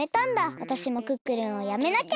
わたしもクックルンをやめなきゃ！